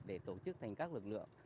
để tổ chức thành các lực lượng